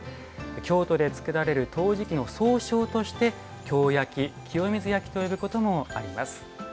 京都で作られる陶磁器の総称として京焼・清水焼と呼ぶこともあります。